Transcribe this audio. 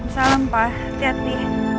salam pak hati hati